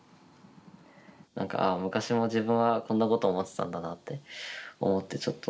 何か「ああ昔も自分はこんなこと思ってたんだな」って思ってちょっと。